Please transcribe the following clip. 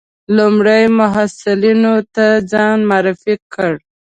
لومړي محصلینو ته ځان معرفي کړ.